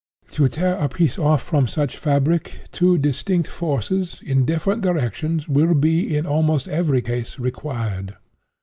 To tear a piece off from such fabric, two distinct forces, in different directions, will be, in almost every case, required.